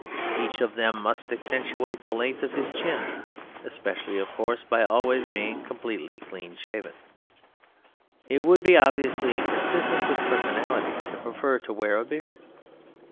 Each of them must accentuate the length of his chin, especially, of course, by always being completely clean shaven. It would be obviously inconsistent with Personality to prefer to wear a beard.